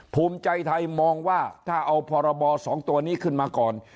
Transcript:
ภูมิใจไทยมองว่าถ้าเอาพรบ๒ตัวนี้ขึ้นมาก่อน